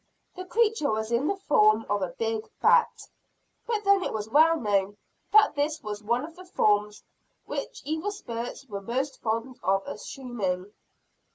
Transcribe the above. The creature was in the form of a big bat; but then it was well known that this was one of the forms which evil spirits were most fond of assuming.